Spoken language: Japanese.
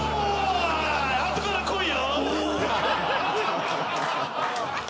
あとから来いよ！